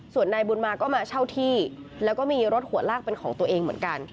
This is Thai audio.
ส่วนนายบุญมาก็มาเช่าที่แล้วก็มีรถหัวลากเป็นของตัวเองเหมือนกัน